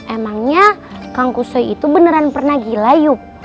emangnya kang kusoy itu beneran pernah gila yuk